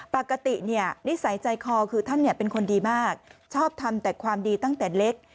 ปกตินิสัยใจคอคือท่านเป็นคนดีมากชอบทำแต่ความดีตั้งแต่เล็ก